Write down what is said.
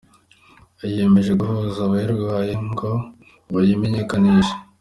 Yiyemeje guhuza abayirwaye ngo bayimenyekanishe.